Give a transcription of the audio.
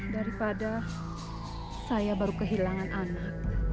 daripada saya baru kehilangan anak